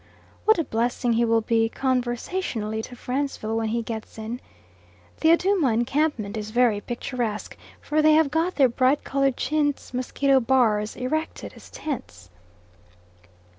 What a blessing he will be conversationally to Franceville when he gets in. The Adooma encampment is very picturesque, for they have got their bright coloured chintz mosquito bars erected as tents.